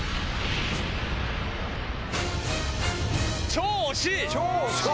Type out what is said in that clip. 超惜しい！